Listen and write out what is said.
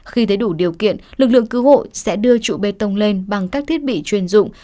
khi thấy đủ điều kiện lực lượng cứu hộ sẽ đưa trụ bê tông lên bằng các thiết bị chuyên dụng